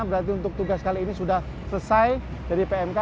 berarti untuk tugas kali ini sudah selesai dari pmk